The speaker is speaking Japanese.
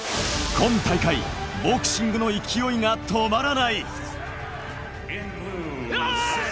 今大会、ボクシングの勢いが止まらない。